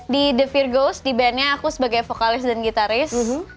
di the fear ghost di band nya aku sebagai vokalis dan gitaris